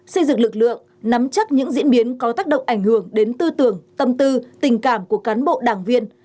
xây dựng lực lượng nắm chắc những diễn biến có tác động ảnh hưởng đến tư tưởng tâm tư tình cảm của cán bộ đảng viên